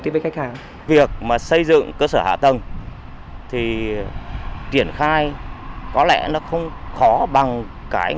tiếp với khách hàng việc mà xây dựng cơ sở hạ tầng thì triển khai có lẽ nó không khó bằng cái